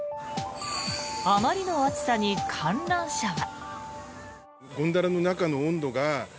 あまりの暑さに観覧車は。